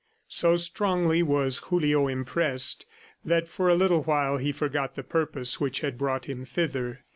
So strongly was Julio impressed that for a little while he forgot the purpose which had brought him thither.